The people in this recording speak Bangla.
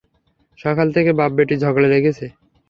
সকাল থেকে বাপ-বেটি ঝগড়া লেগেছে।